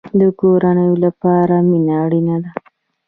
د کورنۍ لپاره مینه اړین ده